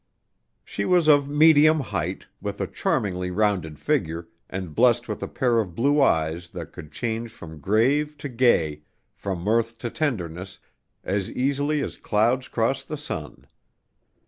She was of medium height, with a charmingly rounded figure, and blessed with a pair of blue eyes that could change from grave to gay, from mirth to tenderness, as easily as clouds cross the sun.